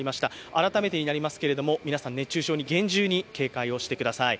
改めてになりますけれども、皆さん熱中症に厳重に警戒してください。